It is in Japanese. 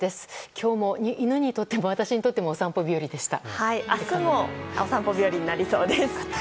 今日も犬にとっても私にとってもお散歩日和でした。